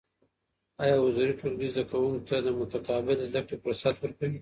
ايا حضوري ټولګي زده کوونکو ته د متقابل زده کړې فرصت ورکوي؟